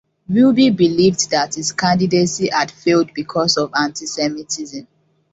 Ruby believed that his candidacy had failed because of Antisemitism.